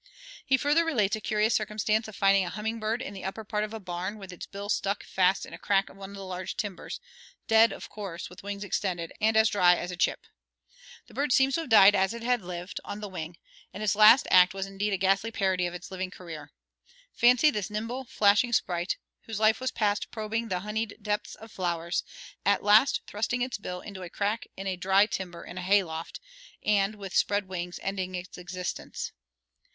He further relates a curious circumstance of finding a humming bird in the upper part of a barn with its bill stuck fast in a crack of one of the large timbers, dead, of course, with wings extended, and as dry as a chip. The bird seems to have died as it had lived, on the wing, and its last act was indeed a ghastly parody of its living career. Fancy this nimble, flashing sprite, whose life was passed probing the honeyed depths of flowers, at last thrusting its bill into a crack in a dry timber in a hayloft, and, with spread wings, ending its existence.